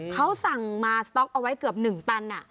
เขาสั่งมาสต๊อกเอาไว้เกือบ๑ตัน